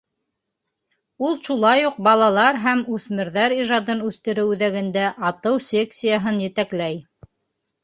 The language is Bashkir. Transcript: Ул шулай уҡ Балалар һәм үҫмерҙәр ижадын үҫтереү үҙәгендә атыу секцияһын етәкләй.